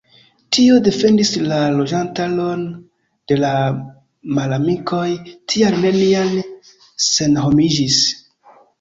Tio defendis la loĝantaron de la malamikoj, tial neniam senhomiĝis.